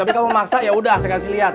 tapi kamu maksa yaudah saya kasih liat